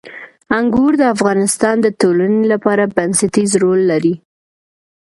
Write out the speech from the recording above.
انګور د افغانستان د ټولنې لپاره بنسټيز رول لري.